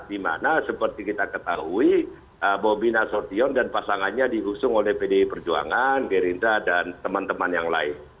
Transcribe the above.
dimana seperti kita ketahui bobi nasution dan pasangannya diusung oleh pdi perjuangan gerindra dan teman teman yang lain